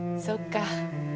そっか。